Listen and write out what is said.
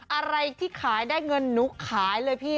อะไรที่ขายได้เงินหนูขายเลยพี่